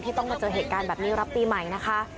ต้องมาเจอเหตุการณ์แบบนี้รับปีใหม่นะคะ